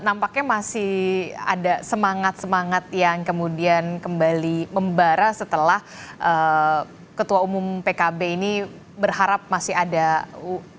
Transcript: nampaknya masih ada semangat semangat yang kemudian kembali membara setelah ketua umum pkb ini berharap masih ada